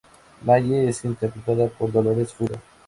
Margie es interpretada por Dolores Fuller.